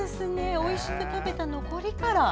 おいしく食べた残りから。